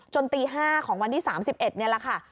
ตี๕ของวันที่๓๑นี่แหละค่ะ